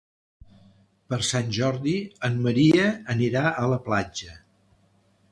Per Sant Jordi en Maria anirà a la platja.